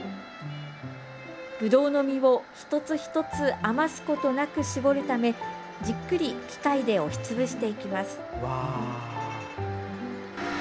ぶどうの実を、一つ一つ余すことなく搾るためじっくり機械で押し潰していきます。